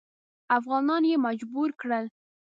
افغانان یې مجبور کړل.